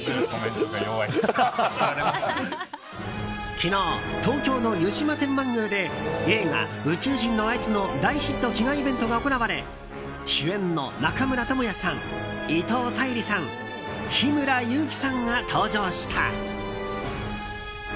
昨日、東京の湯島天満宮で映画「宇宙人のあいつ」の大ヒット祈願イベントが行われ主演の中村倫也さん伊藤沙莉さん、日村勇紀さんが登場した。